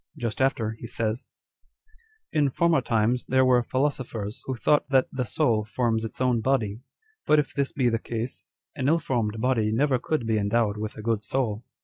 Just after, he says â€" ." In former times there were philosophers who thought that the soul forms its own body ; but if this be the case, an ill formed body never could be endowed with a good soul.